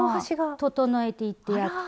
整えていってやって。